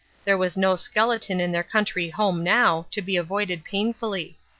There was no skeleton in their country home now, to be avoided painfully.